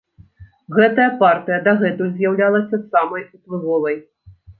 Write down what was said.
Гэтая партыя дагэтуль з'яўлялася самай уплывовай.